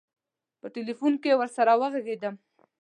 په تیلفون کې ورسره وږغېدم.